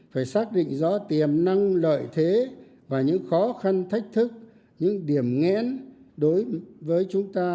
phải xác định rõ tiềm năng lợi thế và những khó khăn thách thức những điểm nghẽn đối với chúng ta